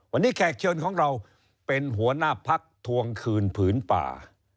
วันนี้แขกเชิญของเราเป็นหัวหน้าพักทวงคืนผืนป่า